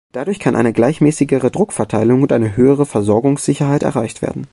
Dadurch kann eine gleichmäßigere Druckverteilung und eine höhere Versorgungssicherheit erreicht werden.